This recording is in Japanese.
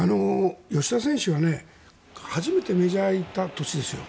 吉田選手が初めてメジャーに入った年です。